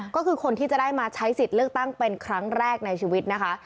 ก็คือคนที่จะได้มาใช้สิทธิ์เลือกตั้งเป็นครั้งแรกในชีวิตนะคะ